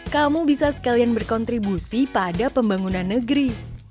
kamu bisa sekalian berkontribusi pada pembangunan negeri